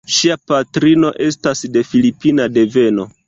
Ŝia patrino estas de filipina deveno.